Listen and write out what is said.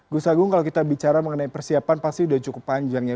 gus agung kalau kita bicara mengenai persiapan pasti sudah cukup panjang ya